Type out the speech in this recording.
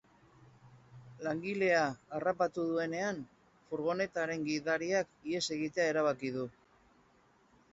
Langilea harrapatu duenean, furgonetaren gidariak ihes egitea erabaki du.